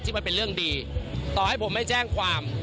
มันเป็นเรื่องดีต่อให้ผมไม่แจ้งความ